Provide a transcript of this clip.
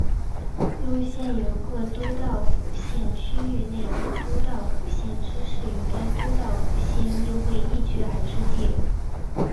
路线由各都道府县区域内的都道府县知事与该都道府县议会议决而制定。